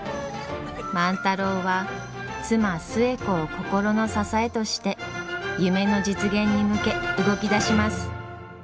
万太郎は妻寿恵子を心の支えとして夢の実現に向け動き出します。